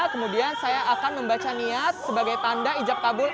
kemudian saya akan membaca niat sebagai tanda ijab tabul